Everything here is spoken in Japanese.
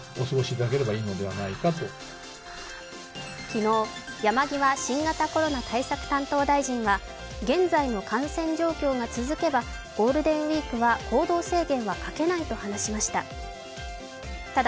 昨日、山際新型コロナ対策担当大臣は現在の感染状況が続けば、ゴールデンウイークは行動制限はかけないと話しました。